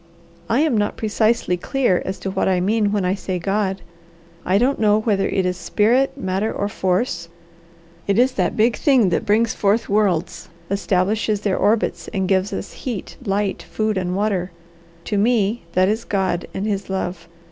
I am not precisely clear as to what I mean when I say God. I don't know whether it is spirit, matter, or force; it is that big thing that brings forth worlds, establishes their orbits, and gives us heat, light, food, and water. To me, that is God and His love.